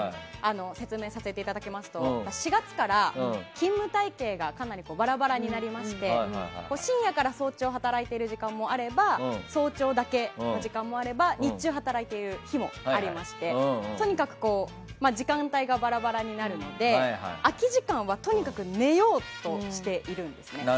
説明させていただきますと４月から勤務体系がかなりバラバラになりまして深夜から早朝働いてる時間もあれば早朝だけという時間もあれば日中働いている日もありましてとにかく時間帯がバラバラになるので空き時間はとにかく寝ようとしてるんです。